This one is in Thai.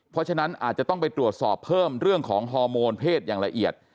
เพราะฉะนั้นอาจจะต้องไปตรวจสอบเพิ่มเรื่องของฮอร์โมนเพศอย่างละเอียด